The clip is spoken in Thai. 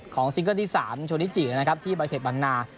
ของซิงเกอร์ที่๓โชนิจินะครับที่ประเทศบรรณา